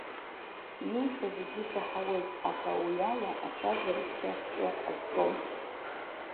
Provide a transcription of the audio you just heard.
Иуҳәо зегьы саҳауеит, аха уи ала ацәажәара цқьа сҿы азцом!